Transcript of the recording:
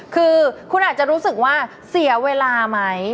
คือคุณอาจจะรู้สึกว่าเสียเวลาไหม